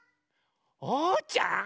おうちゃん！